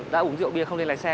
đã uống rượu bia không nên lái xe